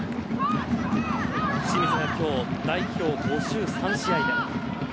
清水が今日、代表５３試合目。